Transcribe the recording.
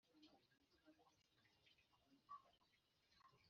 uko gahunda yo kwegereza abaturage ubuyobozi izagenda ishinga imizi.